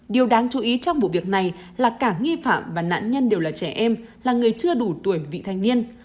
điều đáng chú ý trong vụ việc này là cả nghi phạm và nạn nhân đều là trẻ em là người chưa đủ tuổi vị thanh niên